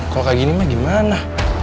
kalau kayak gini mah gimana